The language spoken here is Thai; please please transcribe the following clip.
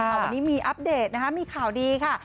วันนี้มีอัปเดตนะคะมีข่าวดีค่ะ